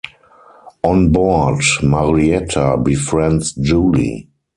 On board, Marietta befriends Julie.